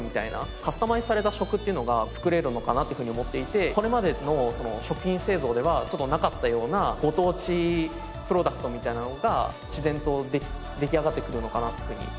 カスタマイズされた食っていうのが作れるのかなっていうふうに思っていてこれまでの食品製造ではちょっとなかったようなご当地プロダクトみたいなのが自然と出来上がってくるのかなっていうふうに。